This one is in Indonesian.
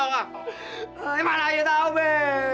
gimana aja tau be